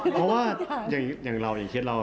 เพราะว่าอย่างเราอย่างเคสเรา